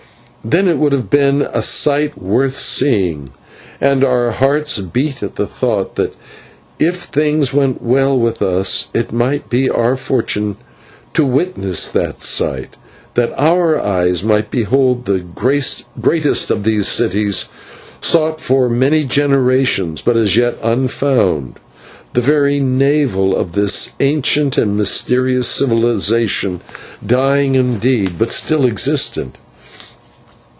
Then it would have been a sight worth seeing; and our hearts beat at the thought that if things went well with us it might be our fortune to witness that sight; that /our/ eyes might behold the greatest of these cities, sought for many generations but as yet unfound, the very navel of this ancient and mysterious civilisation, dying indeed, but still existent.